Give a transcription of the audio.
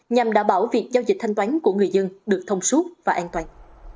nhằm đảm bảo việc giao dịch thanh toán của người dân được thông suốt và an toàn